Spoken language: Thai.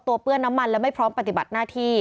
เปื้อนน้ำมันและไม่พร้อมปฏิบัติหน้าที่